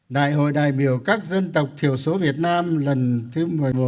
đại hội đại biểu các dân tộc thiểu số việt nam lần thứ một mươi một